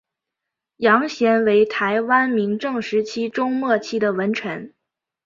杨贤为台湾明郑时期中末期的文臣。